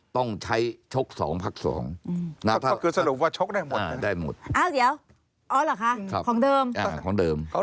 ต้องใช้ชกสองภักษ์สอง